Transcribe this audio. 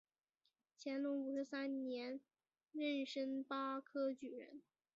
乾隆五十三年戊申恩科举人。